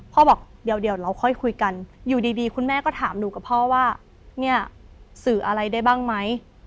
บอกเดี๋ยวเราค่อยคุยกันอยู่ดีคุณแม่ก็ถามหนูกับพ่อว่าเนี่ยสื่ออะไรได้บ้างไหม